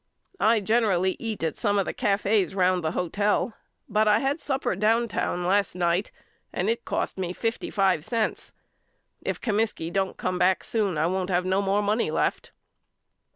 I generally eat at some of the cafes round the hotel but I had supper downtown last night and it cost me fifty five cents. If Comiskey don't come back soon I won't have no more money left.